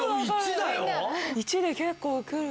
１で結構くる。